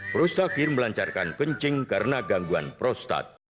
prostakir melancarkan kencing karena gangguan prostat